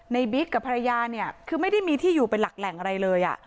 บิ๊กกับภรรยาเนี่ยคือไม่ได้มีที่อยู่เป็นหลักแหล่งอะไรเลย